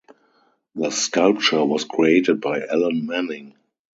The sculpture was created by Alan Manning.